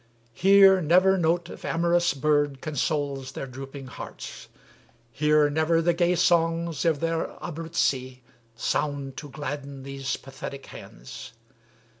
Here never note of amorous bird consoles Their drooping hearts; here never the gay songs Of their Abruzzi sound to gladden these Pathetic hands.